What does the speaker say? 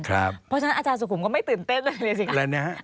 เพราะฉะนั้นอาจารย์สุขุมก็ไม่ตื่นเต้นเลยในสิคะ